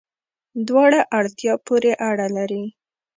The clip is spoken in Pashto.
دواړه، اړتیا پوری اړه لری